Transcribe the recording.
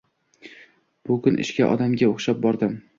Bu kun ishga odamga o`xshab bordim